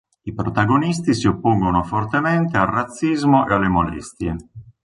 I protagonisti si oppongono fortemente al razzismo e alle molestie.